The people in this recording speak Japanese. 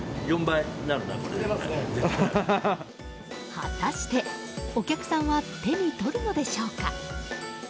果たして、お客さんは手に取るのでしょうか。